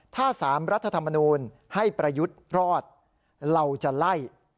ถ้า๓รัฐธรรมนูลให้ประยุทธ์รอดเราจะไล่